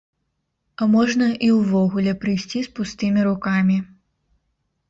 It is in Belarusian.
А можна і ўвогуле прыйсці з пустымі рукамі.